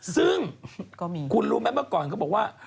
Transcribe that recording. ซึ่งคุณรู้ไหมเมื่อก่อนเขาบอกว่า